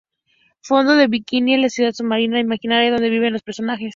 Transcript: Fondo de Bikini es la ciudad submarina imaginaria donde viven los personajes.